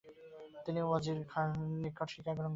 তিনি ওয়জির খাঁর নিকট শিক্ষাগ্রহণ করেন।